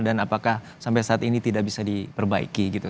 dan apakah sampai saat ini tidak bisa diperbaiki gitu